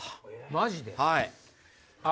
マジで？